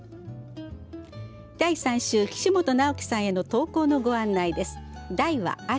第３週岸本尚毅さんへの投稿のご案内です。